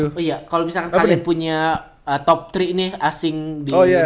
oh iya kalo misalkan kalian punya top tiga asing di dunia ini